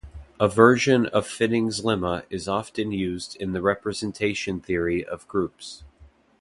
A version of Fitting's lemma is often used in the representation theory of groups.